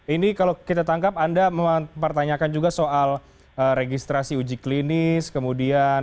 ini kalau kita tangkap anda mempertanyakan juga soal registrasi uji klinis kemudian